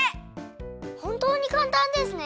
ほんとうにかんたんですね。